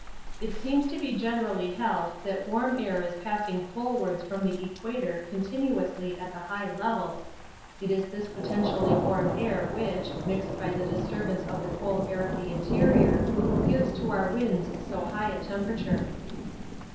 It seems to be generally held that warm air is passing polewards from the equator continuously at the high levels. It is this potentially warm air which, mixed by the disturbance with the cold air of the interior, gives to our winds so high a temperature.